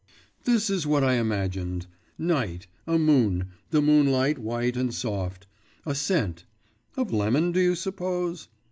This is what I imagined night, a moon, the moonlight white and soft, a scent of lemon, do you suppose?